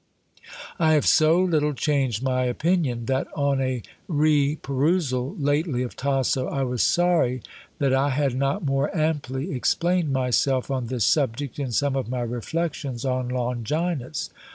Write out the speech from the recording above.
"I have so little changed my opinion, that, on a re perusal lately of Tasso, I was sorry that I had not more amply explained myself on this subject in some of my reflections on 'Longinus.'